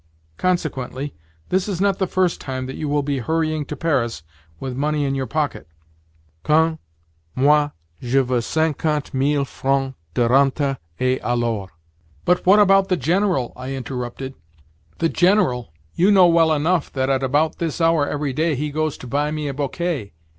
Consequently, this is not the first time that you will be hurrying to Paris with money in your pocket. Quant à moi, je veux cinquante mille francs de rente, et alors——" "But what about the General?" I interrupted. "The General? You know well enough that at about this hour every day he goes to buy me a bouquet.